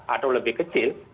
atau lebih kecil